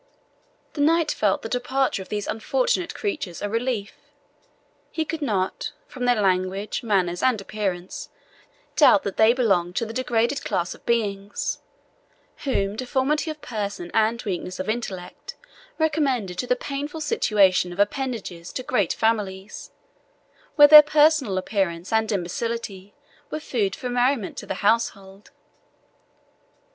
The knight felt the departure of these unfortunate creatures a relief. He could not, from their language, manners, and appearance, doubt that they belonged to the degraded class of beings whom deformity of person and weakness of intellect recommended to the painful situation of appendages to great families, where their personal appearance and imbecility were food for merriment to the household.